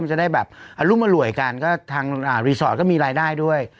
จะได้แบบอรุมอร่วยกันก็ทางรีสอร์ทก็มีรายได้ด้วย